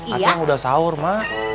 achan udah sawur ma